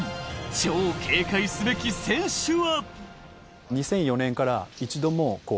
超警戒すべき選手は。